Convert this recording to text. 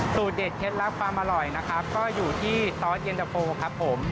เด็ดเคล็ดลับความอร่อยนะครับก็อยู่ที่ตอสเย็นตะโฟครับผม